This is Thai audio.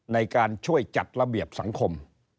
ในการช่วยจัดระเบียบสังคม